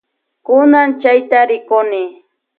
Kunan chayta rikuni.